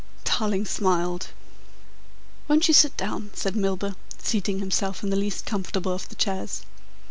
Tarling smiled. "Won't you sit down?" said Milburgh, seating himself in the least comfortable of the chairs.